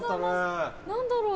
何だろう？